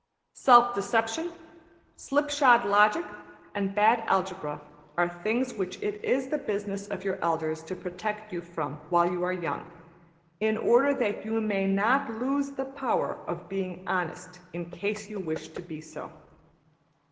Self deception, slipshod logic, and bad algebra are things which it is the business of your elders to protect you from while you are young, in order that you may not \emph{lose the power} of being honest in case you wish to be so.